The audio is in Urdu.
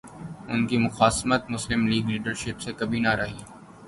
ان کی مخاصمت مسلم لیگ لیڈرشپ سے کبھی نہ رہی۔